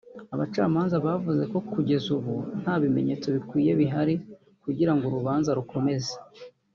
Abacamanza bavuze ko kugeza ubu nta bimenyetso bikwiye bihari kugirango urubanza rukomeze